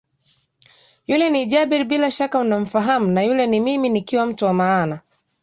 yule ni Jabir bila shaka unamfahamu na yule ni mimi nikiwa mtu wa maana